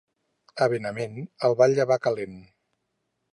A Benavent, el batlle va calent.